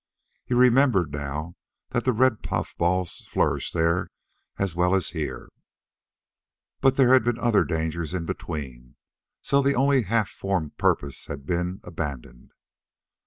He remembered now that the red puffballs flourished there as well as here but there had been other dangers in between, so the only half formed purpose had been abandoned.